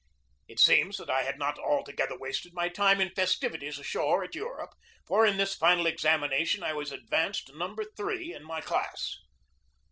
It seems that I had not altogether wasted my time in festivities ashore in Europe, for in this final examination I was advanced to number three in my class.